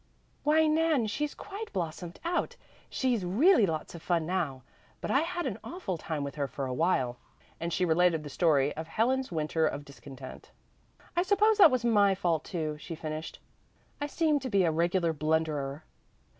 "Why Nan, she's quite blossomed out. She's really lots of fun now. But I had an awful time with her for a while," and she related the story of Helen's winter of discontent. "I suppose that was my fault too," she finished. "I seem to be a regular blunderer."